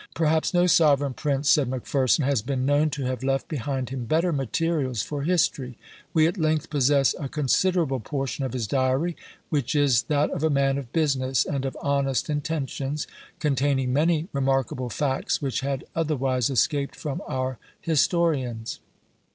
Perhaps no sovereign prince, said Macpherson, has been known to have left behind him better materials for history. We at length possess a considerable portion of his diary, which is that of a man of business and of honest intentions, containing many remarkable facts which had otherwise escaped from our historians.